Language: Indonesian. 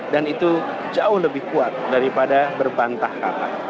dan itu jauh lebih kuat daripada berbantah kata